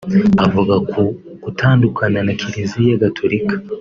Avuga ku gutandukana na kiliziya gaturika